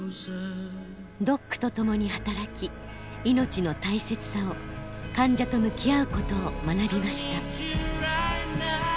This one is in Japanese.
ドックと共に働き命の大切さを患者と向き合うことを学びました。